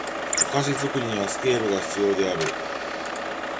お菓子作りにはスケールが必要である